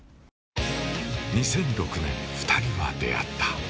２００６年、２人は出会った。